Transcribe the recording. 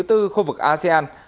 trong khu vực asean